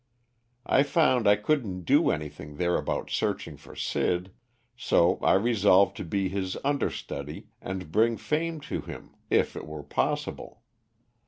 I found I couldn't do anything there about searching for Sid, so I resolved to be his understudy and bring fame to him, if it were possible.